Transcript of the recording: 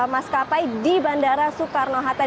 maskapai di bandara soekarno hatta